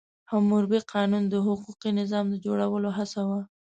حموربي قانون د حقوقي نظام د جوړولو هڅه وه.